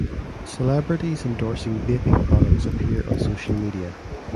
Celebrities endorsing vaping products appear on social media.